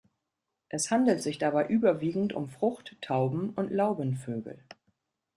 Es handelt sich dabei überwiegend um Fruchttauben und Laubenvögel.